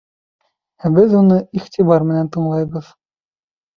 Ә беҙ уны иғтибар менән тыңлайбыҙ.